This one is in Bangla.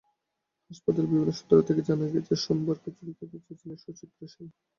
হাসপাতালের বিভিন্ন সূত্র থেকে জানা গেছে, সোমাবার খিচুড়ি খেতে চেয়েছিলেন সুচিত্রা সেন।